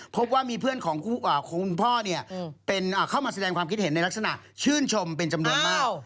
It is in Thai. พบว่ามีเพื่อนของคุณพ่อเข้ามาแสดงความคิดเห็นในลักษณะชื่นชมเป็นจำนวนมาก